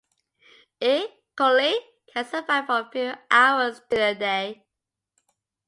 "E. coli" can survive for a few hours to a day.